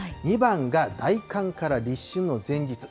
２番が大寒から立春の前日。